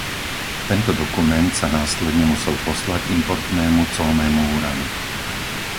Tento dokument sa následne musel poslať importnému colnému úradu.